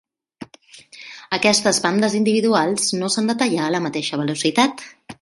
Aquestes bandes individuals no s'han de tallar a la mateixa velocitat.